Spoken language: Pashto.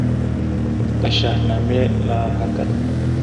د شاهنامې لاحقه ده.